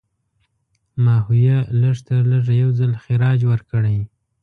ماهویه لږترلږه یو ځل خراج ورکړی.